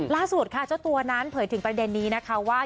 ล่าสุดค่ะเจ้าตัวนั้นเผยถึงประเด็นนี้นะคะว่า